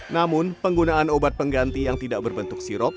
namun penggunaan obat pengganti yang tidak berbentuk sirop